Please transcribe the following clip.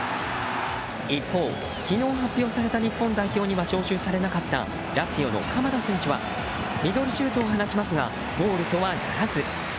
一方、昨日発表された日本代表には招集されなかったラツィオの鎌田選手はミドルシュートを放ちますがゴールとはならず。